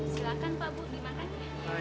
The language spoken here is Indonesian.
silakan pak bu dimakan ya